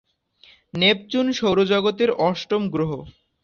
Neptune সৌরজগতের অষ্টম গ্রহ।